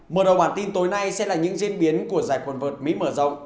mở đầu bản tin tối nay sẽ là những diễn biến của giải quần vợt mỹ mở rộng